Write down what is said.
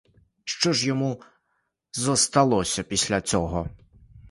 Що ж йому зосталося після цього?